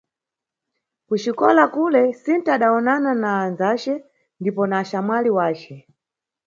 Kuxikola kule, Sinta adawonana na andzace ndipo na axamwali wace.